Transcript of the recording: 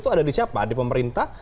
itu ada di siapa di pemerintah